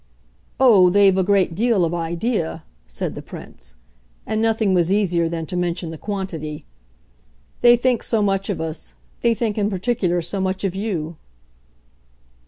"Oh, they've a great deal of idea," said the Prince. And nothing was easier than to mention the quantity. "They think so much of us. They think in particular so much of you."